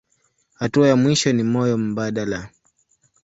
Hatua ya mwisho ni moyo mbadala.